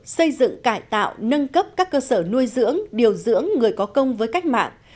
xây dựng cải tạo nâng cấp các cơ sở nuôi dưỡng điều dưỡng người có công với cách mạng